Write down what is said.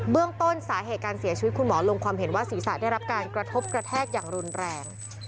เรื่องต้นสาเหตุการเสียชีวิตคุณหมอลงความเห็นว่าศีรษะได้รับการกระทบกระแทกอย่างรุนแรง